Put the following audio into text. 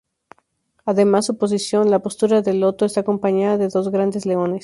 Además su posición, la postura del loto, está acompañada de dos grandes leones.